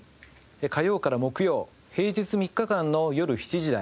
火曜から木曜平日３日間の夜７時台